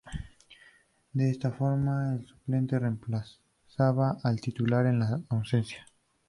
De esta forma, el suplente reemplazaba al titular en las ausencias.